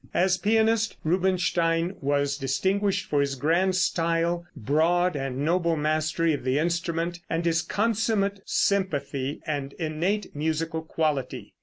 As pianist, Rubinstein was distinguished for his grand style, broad and noble mastery of the instrument, and his consummate sympathy and innate musical quality.